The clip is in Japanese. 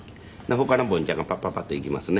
他のぼんちゃんがパパパッと行きますね。